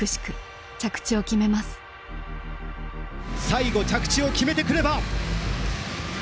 最後着地を決めてくれば。